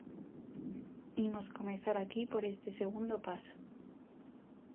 Imos comezar aquí por este segundo paso.